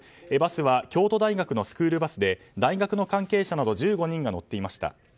バスは京都大学のスクールバスで大学の関係者など１５人が乗っていました。